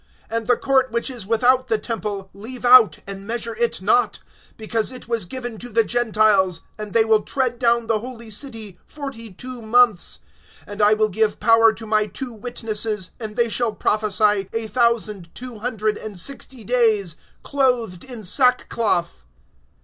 (2)And the court which is without the temple leave out, and measure it not; because it was given to the Gentiles, and they will tread down the holy city forty two months. (3)And I will give [power] to my two witnesses, and they shall prophesy a thousand two hundred and sixty days, clothed in sackcloth.